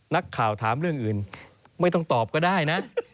นักข่าวถามเรื่องอื่นไม่ต้องตอบก็ได้นะ